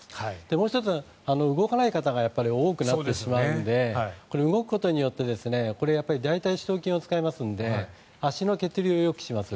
もう１つは動かない方が多くなってしまうので動くことによって大腿四頭筋を使いますので足の血流をよくします。